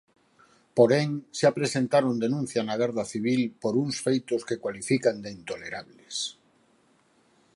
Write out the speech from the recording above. Porén, xa presentaron denuncia na Garda Civil por uns feitos que cualifican de intolerables.